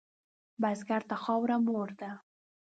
بزګر ته خاوره مور ده